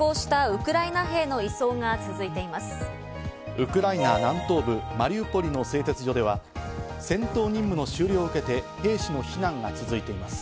ウクライナ南東部マリウポリの製鉄所では、戦闘任務の終了を受けて兵士の避難が続いています。